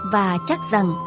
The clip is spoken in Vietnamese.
và chắc rằng